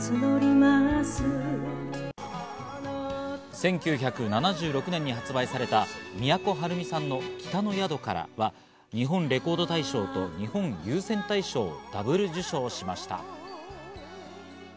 １９７６年に発売された、都はるみさんの『北の宿から』は日本レコード大賞と日本有線大賞をダブル受賞しました。